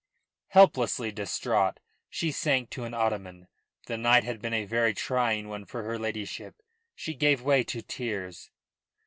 Helplessly distraught, she sank to an ottoman. The night had been a very trying one for her ladyship. She gave way to tears.